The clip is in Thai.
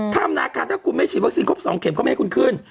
ธนาคารถ้าคุณไม่ฉีดวัคซีนครบ๒เข็มก็ไม่ให้คุณขึ้น